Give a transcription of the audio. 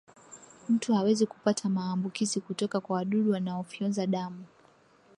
mtu hawezi kupata maambukizi kutoka kwa wadudu wanaofyonza damu